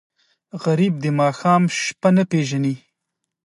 غریب د ماښام شپه نه پېژني